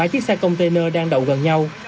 ba chiếc xe container đang đậu gần nhau